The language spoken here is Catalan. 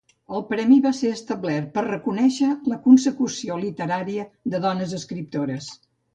El premi va ser establert per reconèixer la consecució literària de dones escriptores.